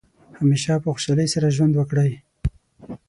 همیشه په خوشحالۍ سره ژوند وکړئ.